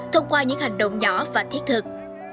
thông qua những hành động nhỏ và thiết thực